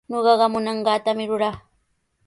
Ñuqaqa munanqaatami ruraa.